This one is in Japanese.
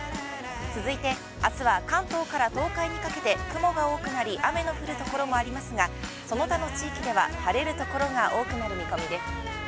続いて、あすは関東から東海にかけて雲が多くなり、雨の降るところもありますがその他の地域では晴れるところが多くなる見込みです。